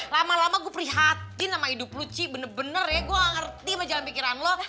lama lama gue prihatin sama hidup luci bener bener ya gue ngerti sama jalan pikiran lo